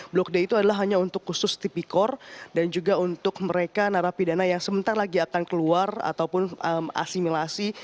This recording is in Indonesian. blok d itu adalah hanya untuk khusus tipikor dan juga untuk mereka narapidana yang sebentar lagi akan keluar ataupun asimilasi